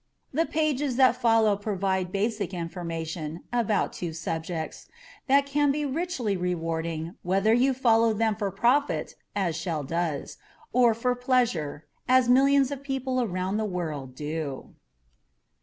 The pages that follow provide basic information about two subjects that can be richly rewarding whether you follow them for profit, as Shell does, or for pleasure, as millions of people around the world do.